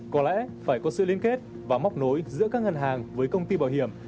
có lẽ phải có sự liên kết và móc nối giữa các ngân hàng với công ty bảo hiểm